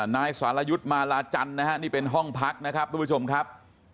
นายสารยุทธ์มาลาจันทร์นะฮะนี่เป็นห้องพักนะครับทุกผู้ชมครับ